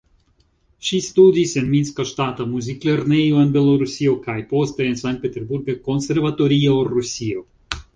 Ŝi studis en Minska Ŝtata Muzik-Lernejo en Belorusio kaj poste en Sankt-Peterburga Konservatorio, Rusio.